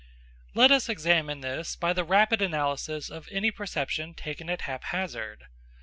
Let us examine this by the rapid analysis of any perception taken at haphazard.